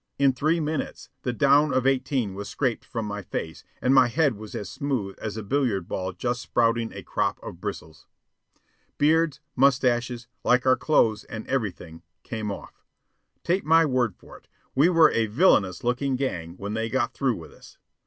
In three minutes the down of eighteen was scraped from my face, and my head was as smooth as a billiard ball just sprouting a crop of bristles. Beards, mustaches, like our clothes and everything, came off. Take my word for it, we were a villainous looking gang when they got through with us.